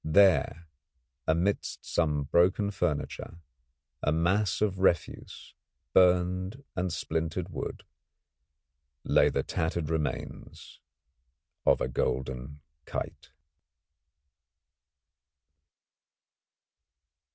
There, amidst some broken furniture, a mass of refuse, burned and splintered wood, lay the tattered remains of a golden kite.